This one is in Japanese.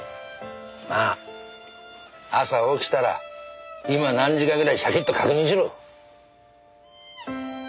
まあ朝起きたら今何時かぐらいシャキッと確認しろ。